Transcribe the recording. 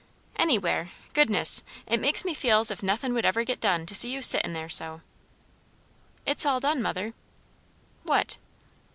"Anywhere. Goodness! it makes me feel as if nothin' would ever get done, to see you sittin' there so." "It's all done, mother." "What?"